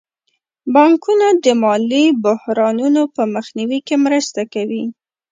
بانکونه د مالي بحرانونو په مخنیوي کې مرسته کوي.